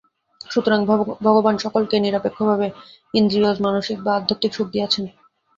সুতরাং ভগবান সকলকেই নিরপেক্ষভাবে ইন্দ্রিয়জ, মানসিক বা আধ্যাত্মিক সুখ দিয়াছেন।